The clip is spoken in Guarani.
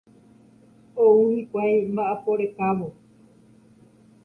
Ou hikuái mba'apo rekávo.